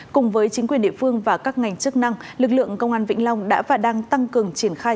cùng với chính quyền địa phương và các ngành chức năng lực lượng công an vĩnh long đã và đang tăng cường triển khai